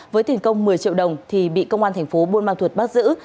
với tiền công một mươi triệu đồng thì bị công an thành phố buôn ma thuột bắt giữ